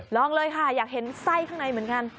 ลองเลยค่ะอยากเห็นไส้ข้างในเหมือนกัน